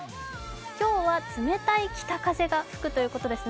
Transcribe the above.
今日は冷たい北風が吹くということですね。